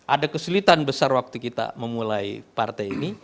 ada kesulitan besar waktu kita memulai partai ini